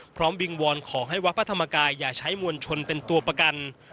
วิงวอนขอให้วัดพระธรรมกายอย่าใช้มวลชนเป็นตัวประกัน